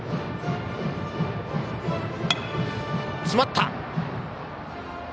詰まった。